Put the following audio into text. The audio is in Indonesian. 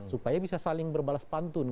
supaya bisa saling berbalas pantun